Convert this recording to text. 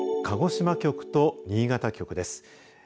鹿児島局と新潟局です。